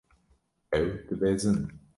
Ew dibezin.